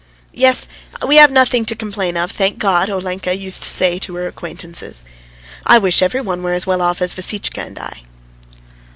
"Yes, we have nothing to complain of, thank God," Olenka used to say to her acquaintances. "I wish every one were as well off as Vassitchka and I."